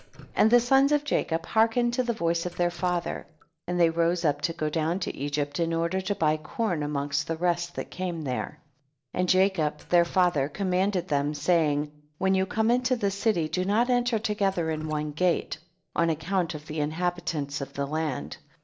3. And the sons of Jacob hearken ed to the voice of their father, and they rose up to go down to Egypt in order to buy corn amongst the rest that came there. 4. And Jacob their father com manded them, saying, when you come into the city do not enter together in one gate, on account of the inhabi tants of the land.